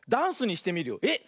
えっ！